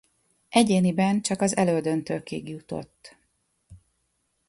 Egyéniben csak az elődöntőkig jutott.